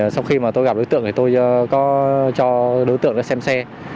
sau khi tôi gặp đối tượng tôi cho đối tượng xem xe